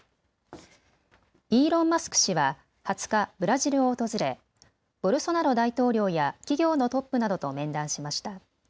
イーロン・マスク氏は２０日、ブラジルを訪れボルソナロ大統領や企業のトップなどと面談しました。